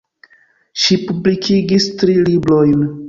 Ŝi publikigis tri librojn.